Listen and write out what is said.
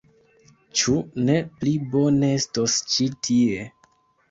Ĉu ne pli bone estos ĉi tie.